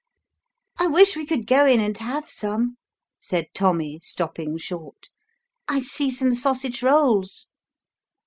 "I wish we could go in and have some," said Tommy, stopping short :" I see some sausage rolls."